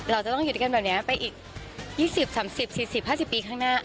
เราจะต้องอยู่ด้วยกันแบบนี้ไปอีก๒๐๓๐๔๐๕๐ปีข้างหน้า